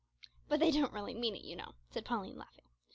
"But they don't really mean it, you know," said Pauline, laughing.